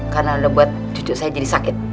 karena lu buat cucu saya jadi sakit